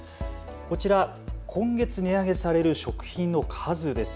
こちら、今月値上げされる食品の数です。